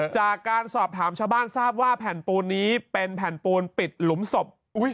จากการสอบถามชาวบ้านทราบว่าแผ่นปูนนี้เป็นแผ่นปูนปิดหลุมศพ